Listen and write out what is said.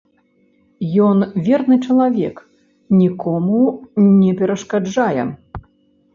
Ён верны чалавек, нікому не перашкаджае.